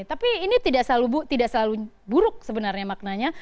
tapi ini tidak selalu buruk sebenarnya maknanya